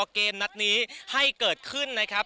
เกมนัดนี้ให้เกิดขึ้นนะครับ